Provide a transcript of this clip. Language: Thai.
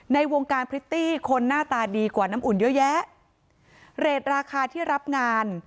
ในวงการพริตตี้คนหน้าตาดีกว่าน้ำอุ่นเยอะแยะเรทราคาที่รับงาน